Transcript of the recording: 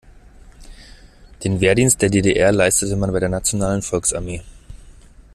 Den Wehrdienst der D-D-R leistete man bei der nationalen Volksarmee.